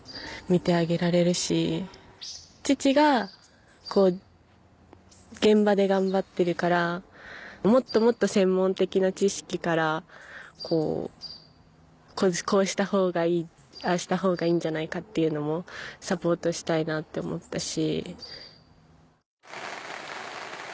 父が現場で頑張ってるからもっともっと専門的な知識からこうしたほうがいいああしたほうがいいんじゃないかっていうのもサポートしたいなって思ったし。